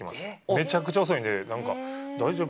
めちゃくちゃ遅いので大丈夫？